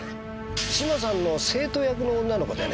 島さんの生徒役の女の子でね。